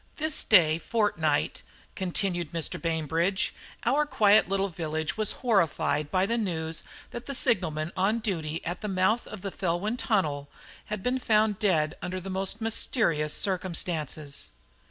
"This day fortnight," continued Mr. Bainbridge, "our quiet little village was horrified by the news that the signalman on duty at the mouth of the Felwyn Tunnel had been found dead under the most mysterious circumstances.